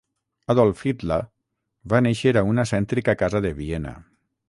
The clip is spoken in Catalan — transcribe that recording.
Adolf Hitler va néixer a una cèntrica casa de Viena